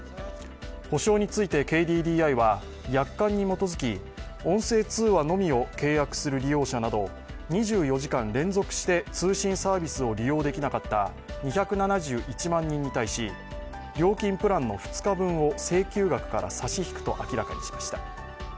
補償についてＫＤＤＩは約款に基づき音声通話のみを契約する利用者など２４時間連続して通信サービスを利用できなかった２７１万人に対し料金プランの２日分を請求額から差し引くと明らかにしました。